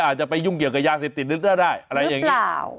อาจจะไปยุ่งเกี่ยวกับย่างเศรษฐินรึเปล่าได้อะไรอย่างนี้หรือเปล่า